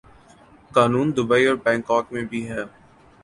قانون دوبئی اور بنکاک میں بھی ہے۔